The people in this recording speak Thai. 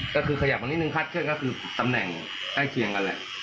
ก็คือขยับมานิดนึงคาดเคลื่อนก็คือตำแหน่งใกล้เคียงกันแหละ